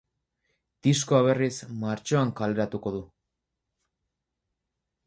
Diskoa, berriz, martxoan kaleratuko du.